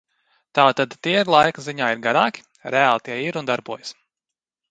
Tātad tie laika ziņā ir garāki, reāli tie ir un darbojas.